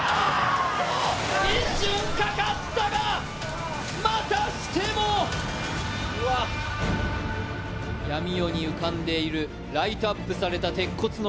一瞬かかったが、またしても闇夜に浮かんでいるライトアップされた鉄骨。